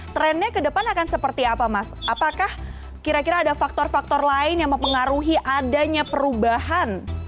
trendnya ke depan akan seperti apa mas apakah kira kira ada faktor faktor lain yang mempengaruhi adanya perubahan